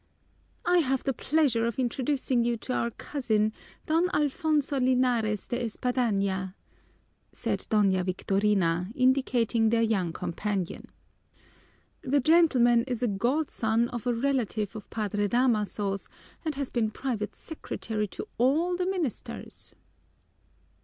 "I have the pleasure of introducing to you our cousin, Don Alfonso Linares de Espadaña," said Doña Victorina, indicating their young companion. "The gentleman is a godson of a relative of Padre Damaso's and has been private secretary to all the ministers."